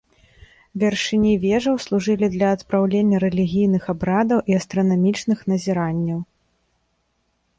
Вяршыні вежаў служылі для адпраўлення рэлігійных абрадаў і астранамічных назіранняў.